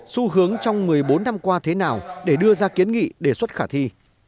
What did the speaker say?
xu hướng trong một mươi bốn năm qua thế nào để đưa ra kiến nghị đề xuất khả thi